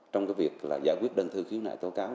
trong cái việc là giải quyết đơn thư khiếu nại tố cáo